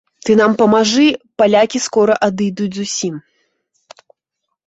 Ты нам памажы, палякі скора адыдуць зусім.